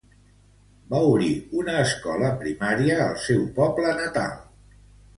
Va obrir una escola primària al seu poble natal.